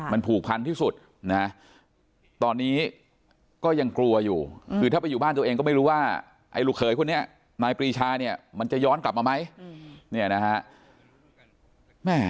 มันผูกพันที่สุดนะตอนนี้ก็ยังกลัวอยู่คือถ้าไปอยู่บ้านตัวเองก็ไม่รู้ว่าไอ้ลูกเขยคนนี้นายปรีชาเนี่ยมันจะย้อนกลับมาไหมเนี่ยนะฮะ